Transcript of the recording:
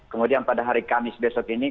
kemudian pada hari kamis besok ini